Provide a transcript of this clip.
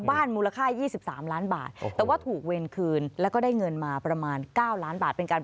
บ้านมูลค่ายี่สิบสามล้านบาทแต่ว่าถูกเวรคืนแล้วก็ได้เงินมาประมาณ